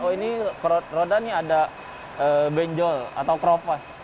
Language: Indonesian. oh ini roda ini ada benjol atau kropas